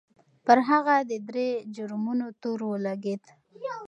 پر هغه د درې جرمونو تور ولګېد.